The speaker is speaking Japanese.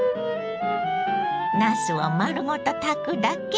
なすを丸ごと炊くだけ。